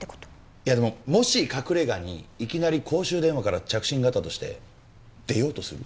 いやでももし隠れ家にいきなり公衆電話から着信があったとして出ようとする？